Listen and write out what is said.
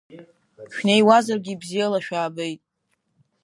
Шәнеиуазаргьы, бзиала шәаабеит!